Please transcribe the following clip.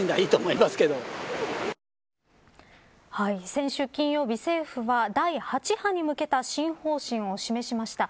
先週金曜日、政府は第８波に向けた新方針を示しました。